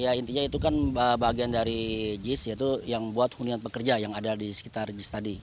ya intinya itu kan bagian dari jis yaitu yang buat hunian pekerja yang ada di sekitar jis tadi